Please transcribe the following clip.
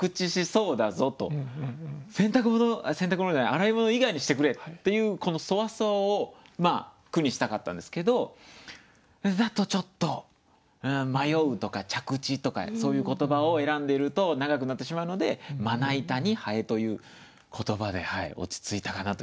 洗濯物洗濯物じゃない洗い物以外にしてくれっていうこのソワソワを句にしたかったんですけどそれだとちょっと「迷う」とか「着地」とかそういう言葉を選んでいると長くなってしまうので「まな板に蠅」という言葉で落ち着いたかなという感じです。